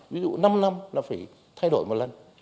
ví dụ năm năm là phải thay đổi một lần